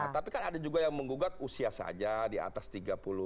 tapi kan ada juga yang menggugat usia saja di atas tiga puluh tahun